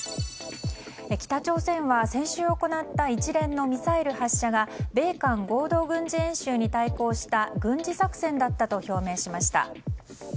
北朝鮮は、先週行った一連のミサイル発射が米韓合同軍事演習に対抗した軍事作戦だったと表明しました。